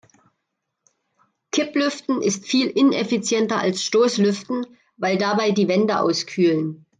Kipplüften ist viel ineffizienter als Stoßlüften, weil dabei die Wände auskühlen.